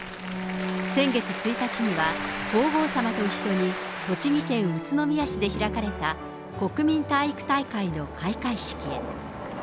先月１日には、皇后さまと一緒に栃木県宇都宮市で開かれた、国民体育大会の開会式へ。